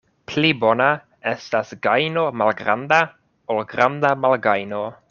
Pli bona estas gajno malgranda, ol granda malgajno.